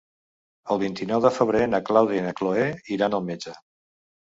El vint-i-nou de febrer na Clàudia i na Cloè iran al metge.